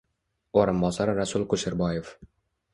O'rinbosari Rasul Kusherboev